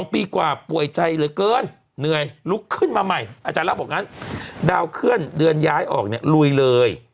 ปีกว่าป่วยใจเหลือเกินเหนื่อยลุกขึ้นมาใหม่อาจารย์เล่าบอกงั้นดาวเคลื่อนเดือนย้ายออกเนี่ยลุยเลย